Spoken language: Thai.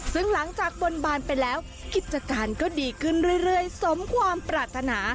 ซึ่งหลังจากบนบานไปแล้วกิจการก็ดีขึ้นเรื่อยสมความปรารถนา